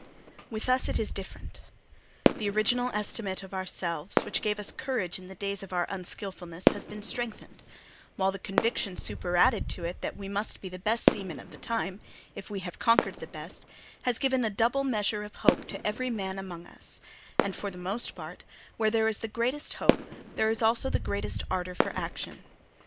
"With us it is different. The original estimate of ourselves which gave us courage in the days of our unskilfulness has been strengthened, while the conviction superadded to it that we must be the best seamen of the time, if we have conquered the best, has given a double measure of hope to every man among us; and, for the most part, where there is the greatest hope, there is also the greatest ardour for action.